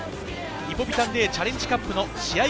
リポビタンＤチャレンジカップの試合